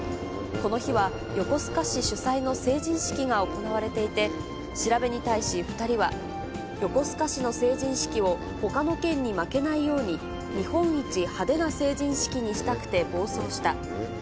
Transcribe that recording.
この日は横須賀市主催の成人式が行われていて、調べに対し２人は、横須賀市の成人式をほかの県に負けないように、日本一派手な成人式にしたくて暴走した。